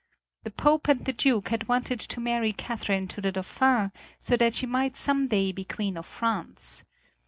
The Pope and the Duke had wanted to marry Catherine to the Dauphin so that she might some day be Queen of France.